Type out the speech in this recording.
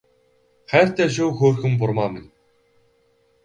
Хайртай шүү хөөрхөн бурмаа минь